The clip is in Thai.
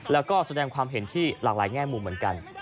แล้วก็แสดงความเห็นที่หลากหลายแง่มุมเหมือนกัน